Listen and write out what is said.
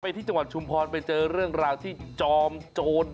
ที่จังหวัดชุมพรไปเจอเรื่องราวที่จอมโจร